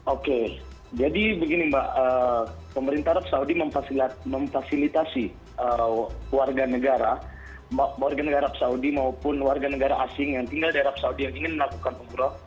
oke jadi begini mbak pemerintah arab saudi memfasilitasi warga negara warga negara arab saudi maupun warga negara asing yang tinggal di arab saudi yang ingin melakukan umroh